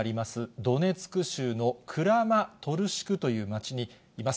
ドネツク州のクラマトルシクという町にいます。